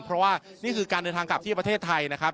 เพราะว่านี่คือการเดินทางกลับที่ประเทศไทยนะครับ